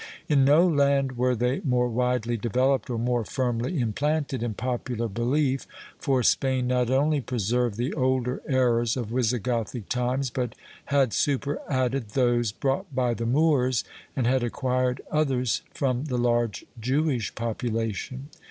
^ In no land were they more widely developed or more firmly implanted in popular belief, for Spain not only preserved the older errors of Wisigothic times but had superadded those brought by the Moors and had acquired others froi the large Jewish population.